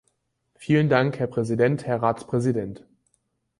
Vielen Dank, Herr Präsident, Herr Ratspräsident.